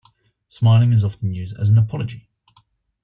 Smiling is often used as an apology.